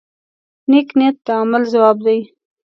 نیک نیت د عمل ځواک دی.